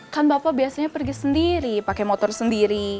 kan bapak biasanya pergi sendiri pakai motor sendiri